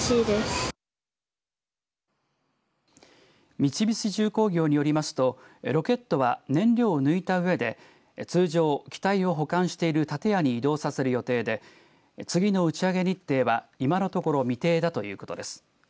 三菱重工業によりますとロケットは燃料を抜いたうえで通常機体を保管している建屋に移動させる予定で次の打ち上げ日程は今のところ未定だということです。